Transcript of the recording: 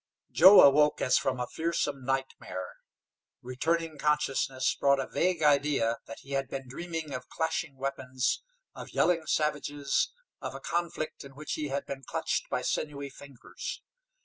Joe awoke as from a fearsome nightmare. Returning consciousness brought a vague idea that he had been dreaming of clashing weapons, of yelling savages, of a conflict in which he had been clutched by sinewy fingers.